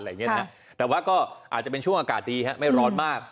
แต่ว่าก็อาจจะเป็นช่วงอากาศดีฮะไม่ร้อนมาก